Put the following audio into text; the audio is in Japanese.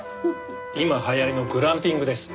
今流行りのグランピングです。